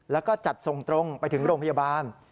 แล้วก็จัดส่งตรงไปถึงโรงพยาบาล